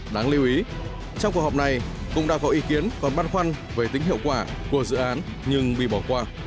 đáng lưu ý trong cuộc họp này cũng đã có ý kiến còn băn khoăn về tính hiệu quả của dự án nhưng bị bỏ qua